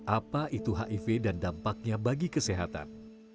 apa itu hiv dan dampaknya bagi kesehatan